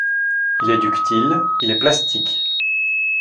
Il est ductile, il est plastique.